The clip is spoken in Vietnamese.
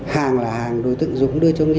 hàng là hàng đối tượng dũng đưa cho ngưu